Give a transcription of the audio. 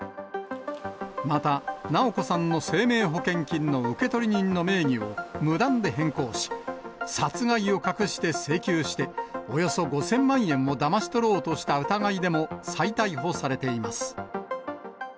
また、直子さんの生命保険金の受取人の名義を無断で変更し、殺害を隠して請求して、およそ５０００万円をだまし取ろうとした疑いでも再逮捕されています。